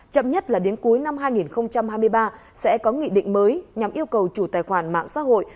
chậm nhất là đến cuối năm hai nghìn hai mươi ba sẽ có nghị định mới nhằm yêu cầu chủ tài khoản mạng xã hội